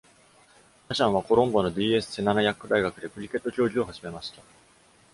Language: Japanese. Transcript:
ハシャンは、コロンボの D.S. セナナヤック大学でクリケット競技を始めました。